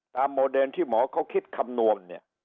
ตามโมเดรนที่หมอเขาคิดคำนวม